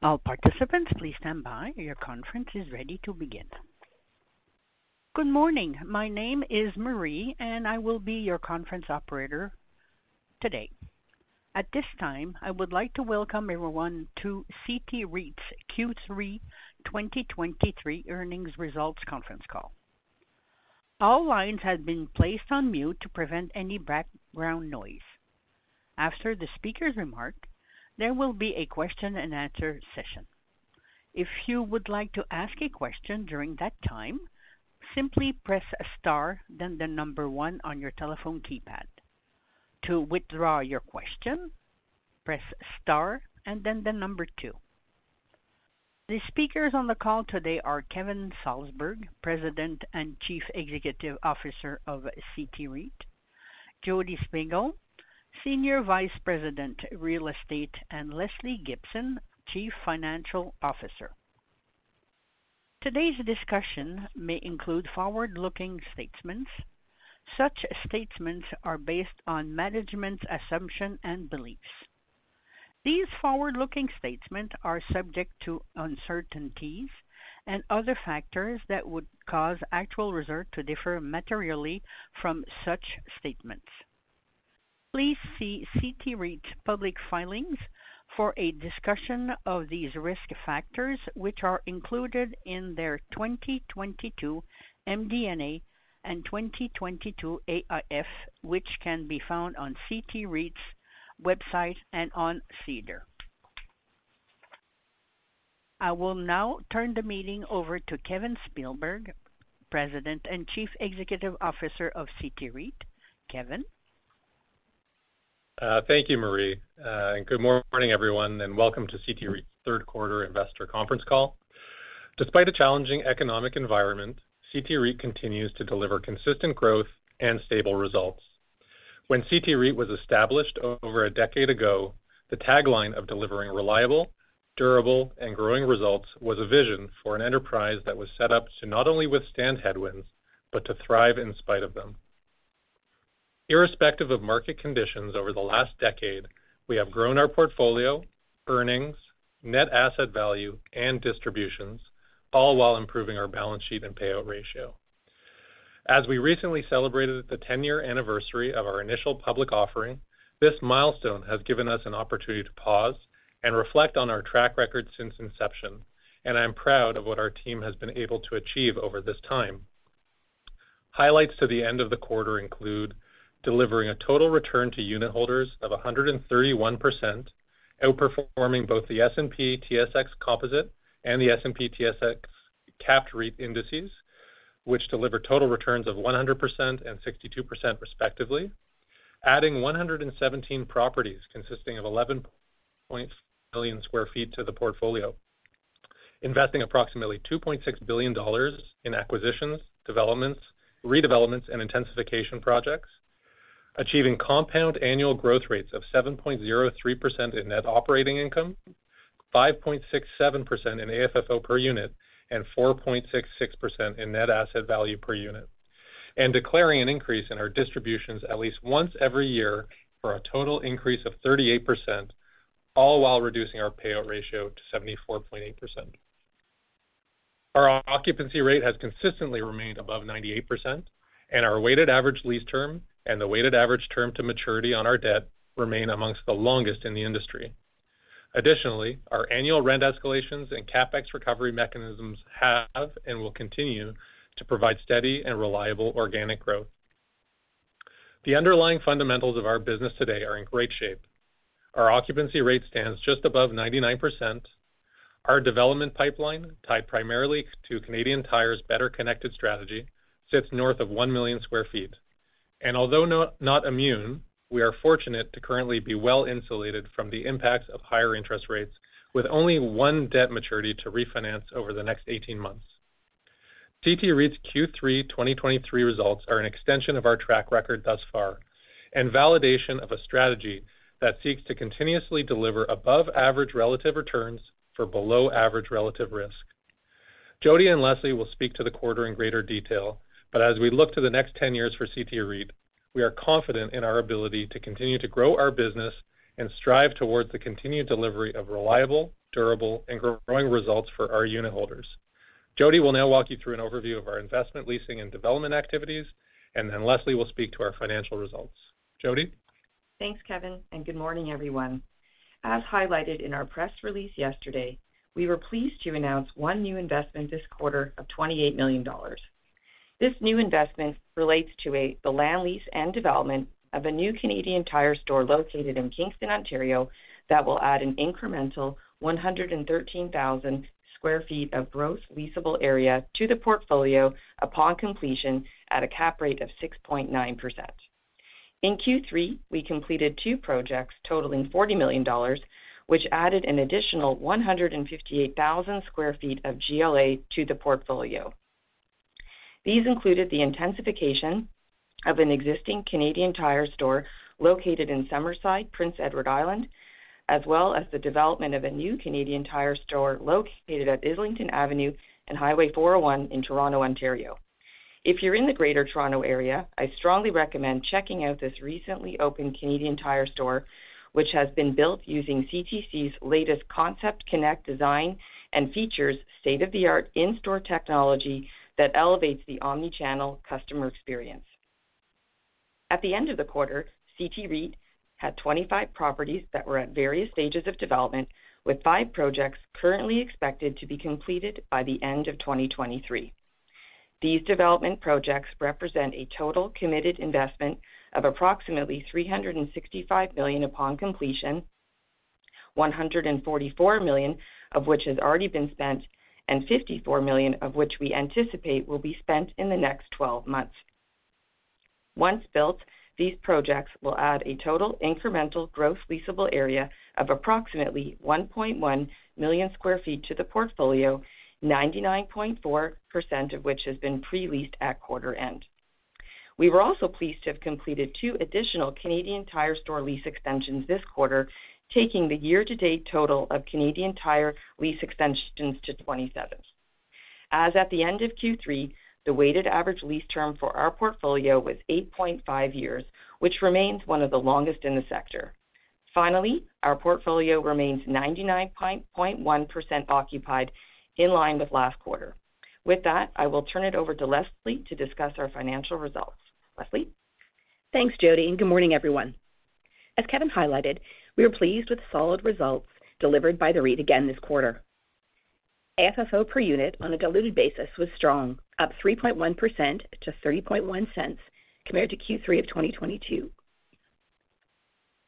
All participants, please stand by. Your conference is ready to begin. Good morning. My name is Marie, and I will be your conference operator today. At this time, I would like to welcome everyone to CT REIT's Q3 2023 Earnings Results Conference Call. All lines have been placed on mute to prevent any background noise. After the speaker's remark, there will be a question and answer session. If you would like to ask a question during that time, simply press star, then one on your telephone keypad. To withdraw your question, press star and then two. The speakers on the call today are Kevin Salsberg, President and Chief Executive Officer of CT REIT; Jodi Shpigel, Senior Vice President, Real Estate; and Lesley Gibson, Chief Financial Officer. Today's discussion may include forward-looking statements. Such statements are based on management's assumption and beliefs. These forward-looking statements are subject to uncertainties and other factors that would cause actual results to differ materially from such statements. Please see CT REIT's public filings for a discussion of these risk factors, which are included in their 2022 MD&A and 2022 AIF, which can be found on CT REIT's website and on SEDAR. I will now turn the meeting over to Kevin Salsberg, President and Chief Executive Officer of CT REIT. Kevin? Thank you, Marie, and good morning, everyone, and welcome to CT REIT's Third Quarter Investor Conference Call. Despite a challenging economic environment, CT REIT continues to deliver consistent growth and stable results. When CT REIT was established over a decade ago, the tagline of delivering reliable, durable, and growing results was a vision for an enterprise that was set up to not only withstand headwinds, but to thrive in spite of them. Irrespective of market conditions over the last decade, we have grown our portfolio, earnings, net asset value, and distributions, all while improving our balance sheet and payout ratio. As we recently celebrated the 10-year anniversary of our initial public offering, this milestone has given us an opportunity to pause and reflect on our track record since inception, and I'm proud of what our team has been able to achieve over this time. Highlights to the end of the quarter include: delivering a total return to unitholders of 131%, outperforming both the S&P/TSX Composite and the S&P/TSX Capped REIT indices, which deliver total returns of 100% and 62%, respectively. Adding 117 properties, consisting of 11 million sq ft, to the portfolio. Investing approximately 2.6 billion dollars in acquisitions, developments, redevelopments, and intensification projects. Achieving compound annual growth rates of 7.03% in net operating income, 5.67% in AFFO per unit, and 4.66% in net asset value per unit. Declaring an increase in our distributions at least once every year for a total increase of 38%, all while reducing our payout ratio to 74.8%. Our occupancy rate has consistently remained above 98%, and our weighted average lease term and the weighted average term to maturity on our debt remain amongst the longest in the industry. Additionally, our annual rent escalations and CapEx recovery mechanisms have, and will continue to provide steady and reliable organic growth. The underlying fundamentals of our business today are in great shape. Our occupancy rate stands just above 99%. Our development pipeline, tied primarily to Canadian Tire's Better Connected strategy, sits north of 1 million sq ft. And although not immune, we are fortunate to currently be well insulated from the impacts of higher interest rates, with only one debt maturity to refinance over the next 18 months. CT REIT's Q3 2023 results are an extension of our track record thus far, and validation of a strategy that seeks to continuously deliver above average relative returns for below average relative risk. Jodi and Lesley will speak to the quarter in greater detail, but as we look to the next 10 years for CT REIT, we are confident in our ability to continue to grow our business and strive towards the continued delivery of reliable, durable, and growing results for our unitholders. Jodi will now walk you through an overview of our investment, leasing, and development activities, and then Lesley will speak to our financial results. Jodi? Thanks, Kevin, and good morning, everyone. As highlighted in our press release yesterday, we were pleased to announce one new investment this quarter of 28 million dollars. This new investment relates to the land lease and development of a new Canadian Tire store located in Kingston, Ontario, that will add an incremental 113,000 square feet of gross leasable area to the portfolio upon completion at a cap rate of 6.9%. In Q3, we completed two projects totaling 40 million dollars, which added an additional 158,000 square feet of GLA to the portfolio. These included the intensification of an existing Canadian Tire store located in Summerside, Prince Edward Island, as well as the development of a new Canadian Tire store located at Islington Avenue and Highway 401 in Toronto, Ontario. If you're in the Greater Toronto Area, I strongly recommend checking out this recently opened Canadian Tire store, which has been built using CTC's latest concept, Connect Design, and features state-of-the-art in-store technology that elevates the omnichannel customer experience. At the end of the quarter, CT REIT had 25 properties that were at various stages of development, with 5 projects currently expected to be completed by the end of 2023. These development projects represent a total committed investment of approximately 365 million upon completion, 144 million of which has already been spent, and 54 million of which we anticipate will be spent in the next twelve months. Once built, these projects will add a total incremental gross leasable area of approximately 1.1 million sq ft to the portfolio, 99.4% of which has been pre-leased at quarter end. We were also pleased to have completed 2 additional Canadian Tire store lease extensions this quarter, taking the year-to-date total of Canadian Tire lease extensions to 27. As at the end of Q3, the weighted average lease term for our portfolio was 8.5 years, which remains one of the longest in the sector. Finally, our portfolio remains 99.1% occupied, in line with last quarter. With that, I will turn it over to Lesley to discuss our financial results. Lesley? Thanks, Jodi, and good morning, everyone. As Kevin highlighted, we are pleased with the solid results delivered by the REIT again this quarter. AFFO per unit on a diluted basis was strong, up 3.1% to 0.301 compared to Q3 of 2022.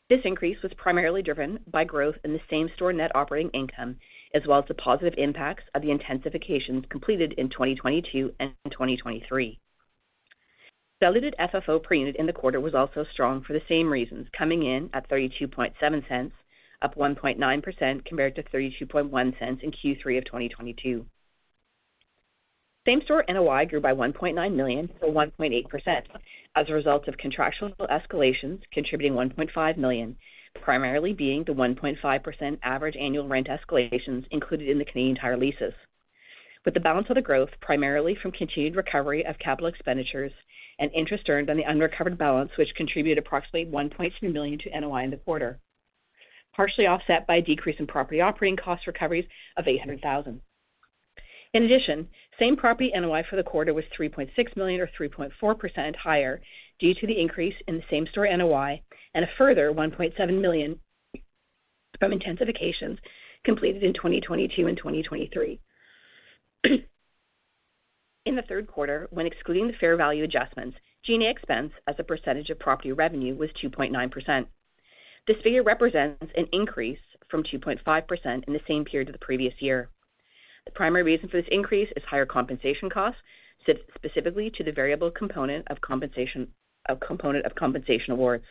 This increase was primarily driven by growth in the same-store net operating income, as well as the positive impacts of the intensifications completed in 2022 and 2023. Diluted FFO per unit in the quarter was also strong for the same reasons, coming in at 0.327, up 1.9% compared to 0.321 in Q3 of 2022. Same-store NOI grew by 1.9 million, or 1.8%, as a result of contractual escalations, contributing 1.5 million, primarily being the 1.5% average annual rent escalations included in the Canadian Tire leases. With the balance of the growth, primarily from continued recovery of capital expenditures and interest earned on the unrecovered balance, which contributed approximately 1.2 million to NOI in the quarter, partially offset by a decrease in property operating cost recoveries of 800 thousand. In addition, same-property NOI for the quarter was 3.6 million or 3.4% higher due to the increase in the same-store NOI and a further 1.7 million from intensifications completed in 2022 and 2023. In the third quarter, when excluding the fair value adjustments, G&A expense as a percentage of property revenue was 2.9%. This figure represents an increase from 2.5% in the same period of the previous year. The primary reason for this increase is higher compensation costs, specifically to the variable component of compensation awards.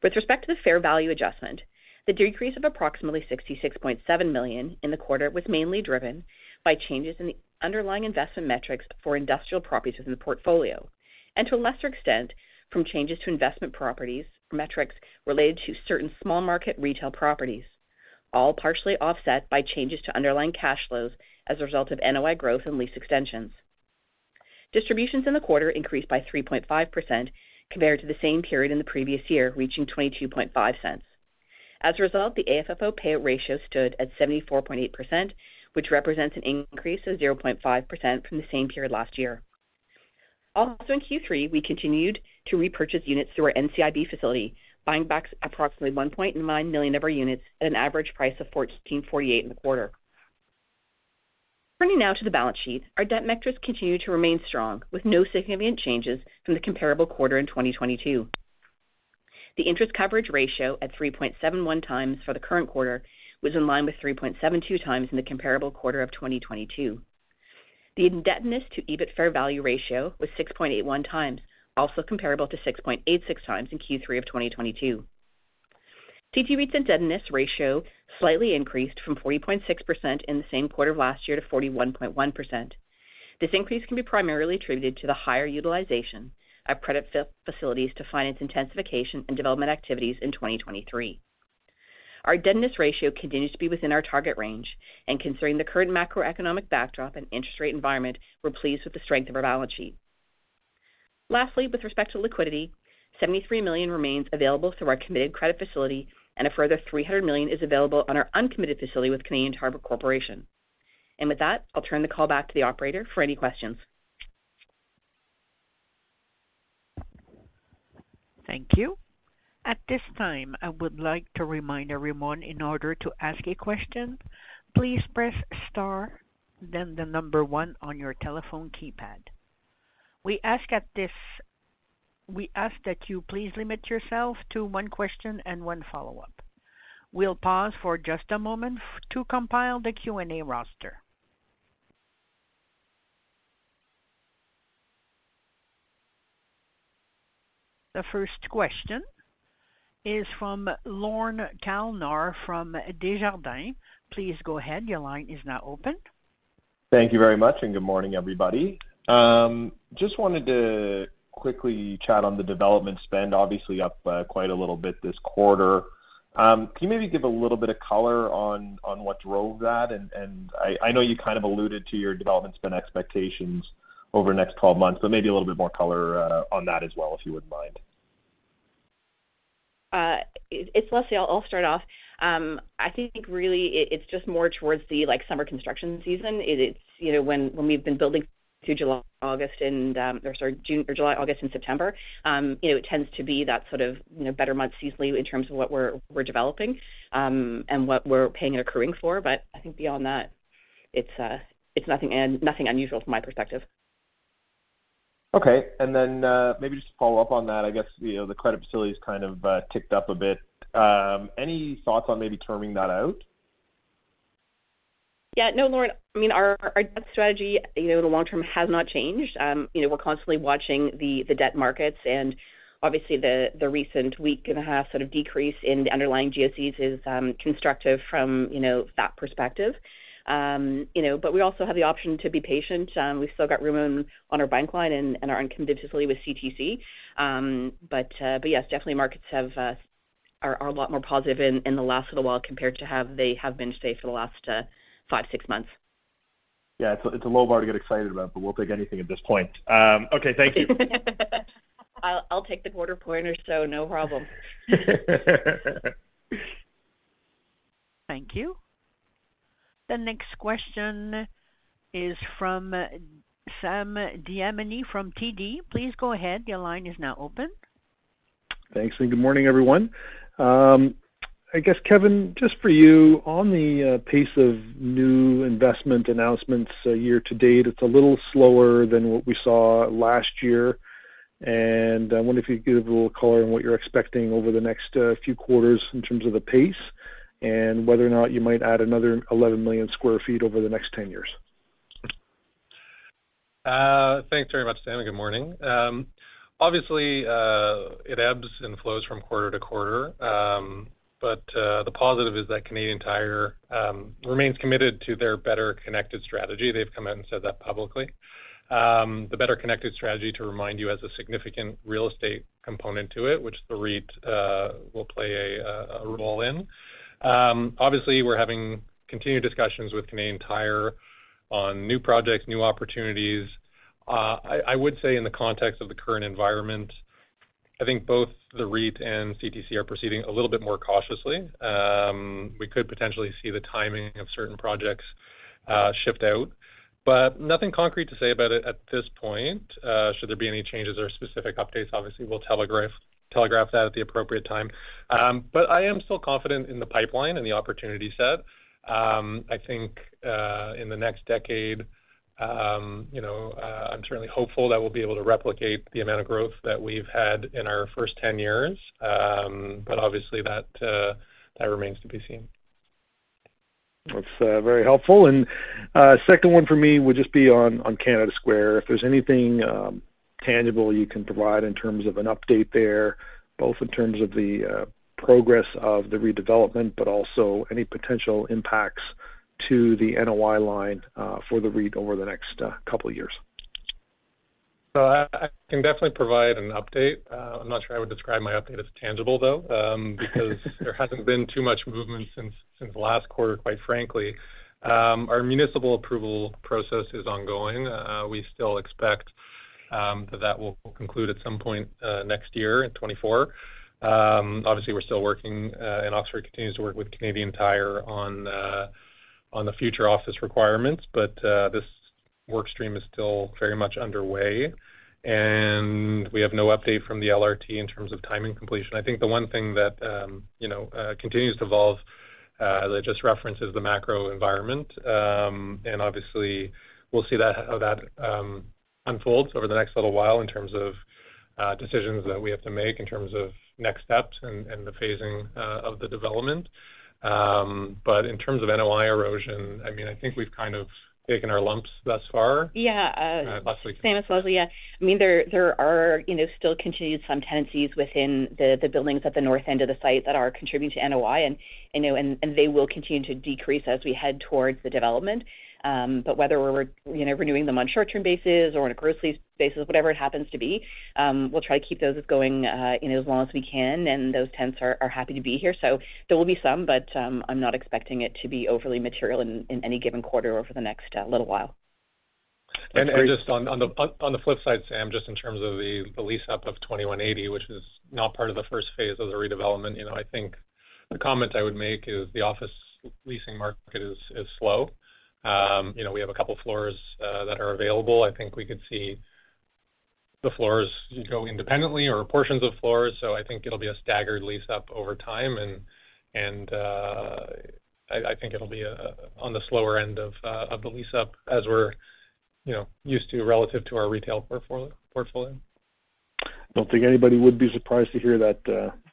With respect to the fair value adjustment, the decrease of approximately 66.7 million in the quarter was mainly driven by changes in the underlying investment metrics for industrial properties within the portfolio, and to a lesser extent, from changes to investment properties, metrics related to certain small market retail properties, all partially offset by changes to underlying cash flows as a result of NOI growth and lease extensions. Distributions in the quarter increased by 3.5% compared to the same period in the previous year, reaching 0.225. As a result, the AFFO payout ratio stood at 74.8%, which represents an increase of 0.5% from the same period last year. Also, in Q3, we continued to repurchase units through our NCIB facility, buying back approximately 1.9 million of our units at an average price of 14.48 in the quarter. Turning now to the balance sheet. Our debt metrics continue to remain strong, with no significant changes from the comparable quarter in 2022. The interest coverage ratio at 3.71x for the current quarter, was in line with 3.72x in the comparable quarter of 2022. The indebtedness to EBIT fair value ratio was 6.81x, also comparable to 6.86x in Q3 of 2022. CT REIT's indebtedness ratio slightly increased from 40.6% in the same quarter of last year to 41.1%. This increase can be primarily attributed to the higher utilization of credit facilities to finance intensification and development activities in 2023. Our indebtedness ratio continues to be within our target range, and considering the current macroeconomic backdrop and interest rate environment, we're pleased with the strength of our balance sheet. Lastly, with respect to liquidity, 73 million remains available through our committed credit facility, and a further 300 million is available on our uncommitted facility with Canadian Tire Corporation. And with that, I'll turn the call back to the operator for any questions. Thank you. At this time, I would like to remind everyone, in order to ask a question, please press star, then the number one on your telephone keypad. We ask that you please limit yourself to one question and one follow-up. We'll pause for just a moment to compile the Q&A roster. The first question is from Lorne Kalmar from Desjardins. Please go ahead. Your line is now open. Thank you very much, and good morning, everybody. Just wanted to quickly chat on the development spend, obviously up quite a little bit this quarter. Can you maybe give a little bit of color on what drove that? And I know you kind of alluded to your development spend expectations over the next 12 months, but maybe a little bit more color on that as well, if you wouldn't mind. It's Lesley. I'll start off. I think really it's just more towards the like, summer construction season. It's, you know, when we've been building to July, August, and, or sorry, June or July, August and September, you know, it tends to be that sort of, you know, better months seasonally in terms of what we're developing, and what we're paying and accruing for. But I think beyond that, it's nothing, nothing unusual from my perspective. Okay. And then, maybe just to follow up on that, I guess, you know, the credit facility is kind of, ticked up a bit. Any thoughts on maybe terming that out? Yeah. No, Lorne, I mean, our debt strategy, you know, in the long term has not changed. You know, we're constantly watching the debt markets, and obviously the recent week and a half sort of decrease in the underlying GoCs is constructive from, you know, that perspective. You know, but we also have the option to be patient. We've still got room on our bank line and our uncommitted facility with CTC. But yes, definitely markets have are a lot more positive in the last little while compared to how they have been, say, for the last five, six months. Yeah, it's a low bar to get excited about, but we'll take anything at this point. Okay, thank you. I'll take the quarter point or so, no problem. Thank you. The next question is from Sam Damiani from TD. Please go ahead. Your line is now open. Thanks, and good morning, everyone. I guess, Kevin, just for you, on the pace of new investment announcements, year to date, it's a little slower than what we saw last year. And I wonder if you could give a little color on what you're expecting over the next few quarters in terms of the pace, and whether or not you might add another 11 million sq ft over the next 10 years. Thanks very much, Sam, and good morning. Obviously, it ebbs and flows from quarter to quarter, but the positive is that Canadian Tire remains committed to their Better Connected strategy. They've come out and said that publicly. The Better Connected strategy, to remind you, has a significant real estate component to it, which the REIT will play a role in. Obviously, we're having continued discussions with Canadian Tire on new projects, new opportunities. I would say in the context of the current environment, I think both the REIT and CTC are proceeding a little bit more cautiously. We could potentially see the timing of certain projects shift out, but nothing concrete to say about it at this point. Should there be any changes or specific updates, obviously, we'll telegraph that at the appropriate time. But I am still confident in the pipeline and the opportunity set. I think, in the next decade, you know, I'm certainly hopeful that we'll be able to replicate the amount of growth that we've had in our first 10 years, but obviously that remains to be seen. That's very helpful. And second one for me would just be on Canada Square. If there's anything tangible you can provide in terms of an update there, both in terms of the progress of the redevelopment, but also any potential impacts to the NOI line for the REIT over the next couple of years. So I can definitely provide an update. I'm not sure I would describe my update as tangible, though, because there hasn't been too much movement since last quarter, quite frankly. Our municipal approval process is ongoing. We still expect that will conclude at some point next year in 2024. Obviously, we're still working, and Oxford continues to work with Canadian Tire on the future office requirements, but this work stream is still very much underway, and we have no update from the LRT in terms of timing completion. I think the one thing that you know continues to evolve as I just referenced is the macro environment. Obviously we'll see that, how that unfolds over the next little while in terms of decisions that we have to make, in terms of next steps and the phasing of the development. In terms of NOI erosion, I mean, I think we've kind of taken our lumps thus far. Yeah. Leslie. Sam, it's Lesley. Yeah. I mean, there are, you know, still continued some tenancies within the buildings at the north end of the site that are contributing to NOI, and, you know, they will continue to decrease as we head towards the development. But whether we're, you know, renewing them on short-term basis or on a gross lease basis, whatever it happens to be, we'll try to keep those going, you know, as long as we can, and those tenants are happy to be here. So there will be some, but I'm not expecting it to be overly material in any given quarter or for the next little while. And just on the flip side, Sam, just in terms of the lease-up of 2180, which is not part of the first phase of the redevelopment, you know, I think the comment I would make is the office leasing market is slow. You know, we have a couple floors that are available. I think we could see the floors go independently or portions of floors, so I think it'll be a staggered lease-up over time. And I think it'll be on the slower end of the lease-up as we're, you know, used to relative to our retail portfolio. Don't think anybody would be surprised to hear that.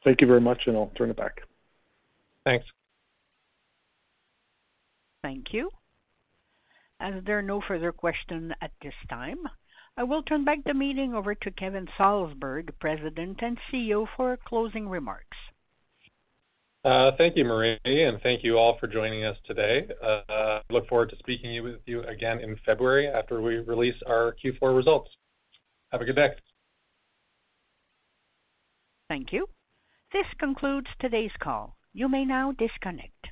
Thank you very much, and I'll turn it back. Thanks. Thank you. As there are no further questions at this time, I will turn back the meeting over to Kevin Salsberg, President and CEO, for closing remarks. Thank you, Marie, and thank you all for joining us today. Look forward to speaking with you again in February after we release our Q4 results. Have a good day. Thank you. This concludes today's call. You may now disconnect.